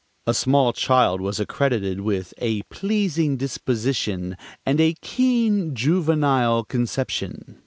A small child was accredited with "a pleasing disposition and a keen juvenile conception."